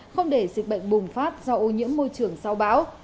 không để dịch bệnh bùng phát do ô nhiễm môi trường sau bão